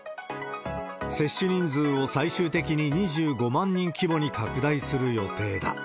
接種人数を最終的に２５万人規模に拡大する予定だ。